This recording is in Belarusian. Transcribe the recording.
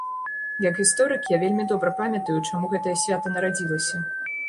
Як гісторык я вельмі добра памятаю, чаму гэтае свята нарадзілася.